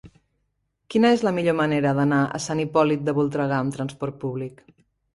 Quina és la millor manera d'anar a Sant Hipòlit de Voltregà amb trasport públic?